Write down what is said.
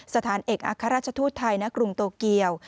สถานเอกอัครราชทูตไทยณกรุงโตเกียว